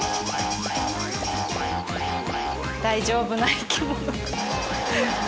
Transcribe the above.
大丈夫な生き物。